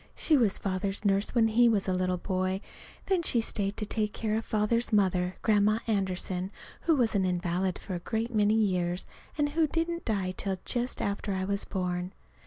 She was Father's nurse when he was a little boy; then she stayed to take care of Father's mother, Grandma Anderson, who was an invalid for a great many years and who didn't die till just after I was born.